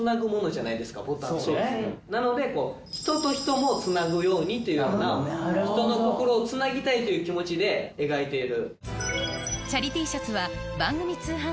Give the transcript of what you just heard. なので人と人もつなぐようにというような人の心をつなぎたいという気持ちで描いている。